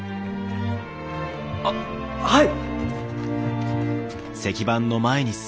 あっはい！